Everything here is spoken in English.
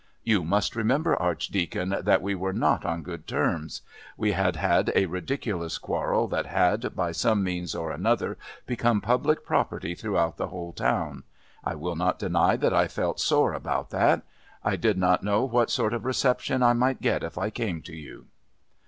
"You must remember, Archdeacon, that we were not on good terms. We had had a ridiculous quarrel that had, by some means or another, become public property throughout the whole town. I will not deny that I felt sore about that. I did not know what sort of reception I might get if I came to you."